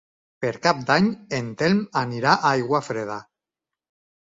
Per Cap d'Any en Telm anirà a Aiguafreda.